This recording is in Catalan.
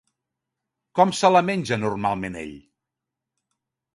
Com se la menja normalment ell?